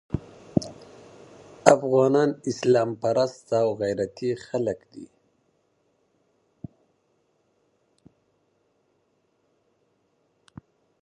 هر اوور شپږ توپونه لري.